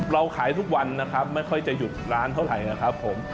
เราขายทุกวันนะครับไม่ค่อยจะหยุดร้านเท่าไหร่นะครับผม